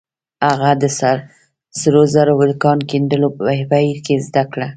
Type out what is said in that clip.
هغه د سرو زرو د کان د کیندلو په بهير کې زده کړل.